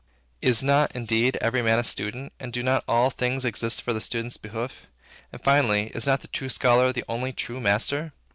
Is not, indeed, every man a student, and do not all things exist for the student's behoof? And, finally, is not the true scholar the only true master?